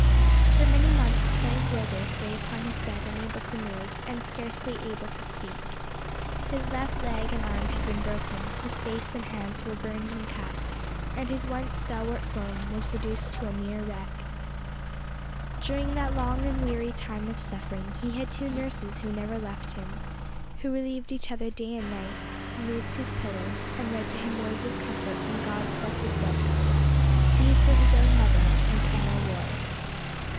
For many months Frank Willders lay upon his bed unable to move, and scarcely able to speak. His left leg and arm had been broken, his face and hands were burned and cut, and his once stalwart form was reduced to a mere wreck. During that long and weary time of suffering he had two nurses who never left him who relieved each other day and night; smoothed his pillow and read to him words of comfort from God's blessed book. These were, his own mother and Emma Ward.